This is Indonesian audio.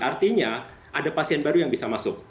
artinya ada pasien baru yang bisa masuk